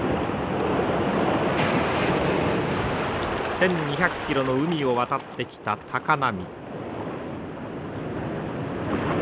１，２００キロの海を渡ってきた高波。